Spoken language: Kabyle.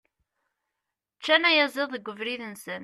Ččan ayaziḍ deg ubrid-nsen.